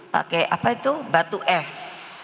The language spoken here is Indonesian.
pakai apa itu batu es